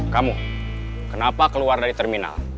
kamu kenapa keluar dari terminal